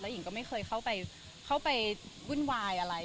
หญิงก็ไม่เคยเข้าไปวุ่นวายอะไร